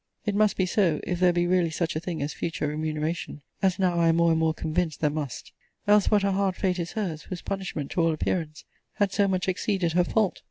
It must be so, if there be really such a thing as future remuneration; as now I am more and more convinced there must: Else, what a hard fate is her's, whose punishment, to all appearance, has so much exceeded her fault?